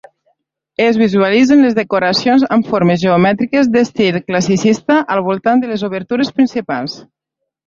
Es visualitzen les decoracions amb formes geomètriques d'estil classicista al voltant de les obertures principals.